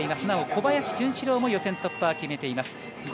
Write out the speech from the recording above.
なお小林潤志郎も予選突破は決めています。